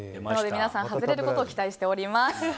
皆さん外れることを期待しております。